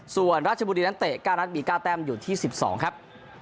ส่วนราชบุรีนั้นเตะ๙นัดมี๙แต้มอยู่ที่๑๒ครับ